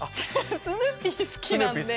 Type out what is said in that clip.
スヌーピー好きなんで。